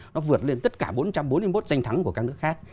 nó vượt lên tất cả bốn trăm bốn mươi một danh thắng của các nước khác